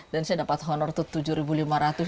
dan saya dapat honor tuh tujuh ribu lima ratus